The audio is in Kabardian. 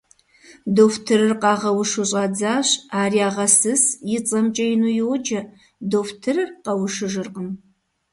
Дохутырыр къагъэушу щӀадзащ, ар ягъэсыс, и цӀэмкӀэ ину йоджэ, дохутырыр къэушыжыркъым.